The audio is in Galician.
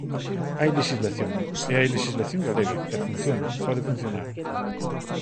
Hai lexislación, e hai lexislación galega, e funciona, pode funcionar.